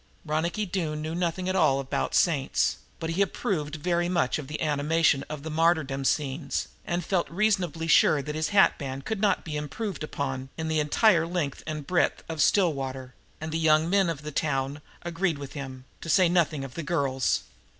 Ronicky Doone knew nothing at all about saints, but he approved very much of the animation of the martyrdom scenes and felt reasonably sure that his hatband could not be improved upon in the entire length and breadth of Stillwater, and the young men of the town agreed with him, to say nothing of the girls.